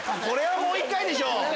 これはもう一回でしょう。